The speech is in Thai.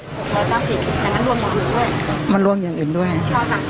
แต่มันร่วมอย่างอื่นด้วยมันร่วมอย่างอื่นด้วยค่ะค่ะ